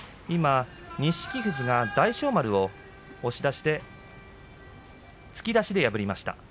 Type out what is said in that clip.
今、錦富士が大翔丸を押し出して突き出しで破りました。